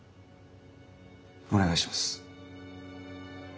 お願いします。